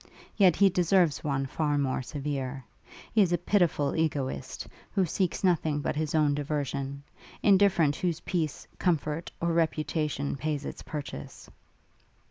Yet he deserves one far more severe. He is a pitiful egotist, who seeks nothing but his own diversion; indifferent whose peace, comfort, or reputation pays its purchase.'